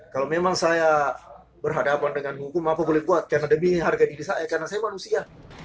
kalau memang saya berhadapan dengan hukum apa boleh buat karena demi harga diri saya karena saya manusia